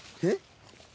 えっ？